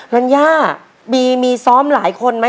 ล้านย่ามีซ้อมหลายคนไหม